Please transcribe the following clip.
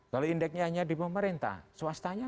kalau indeksnya hanya di pemerintah swastanya